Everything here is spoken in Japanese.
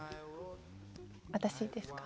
私ですか。